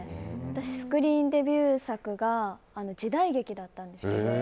私、スクリーンデビュー作が時代劇だったんですけど。